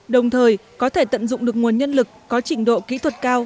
đồng thời có thể tận dụng được nguồn nhân lực có trình độ kỹ thuật cao